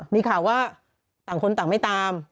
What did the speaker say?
มีข่าวว่าต่างคนต่างไม่ตาม